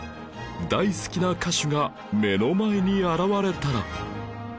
大好きな歌手が目の前に現れたら